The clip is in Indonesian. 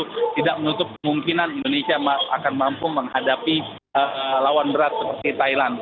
tidak menutup kemungkinan indonesia akan mampu menghadapi lawan berat seperti thailand